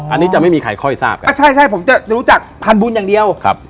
อันนี้จะไม่มีใครค่อยทราบครับใช่ผมจะรู้จักพานบุญอย่างเดียว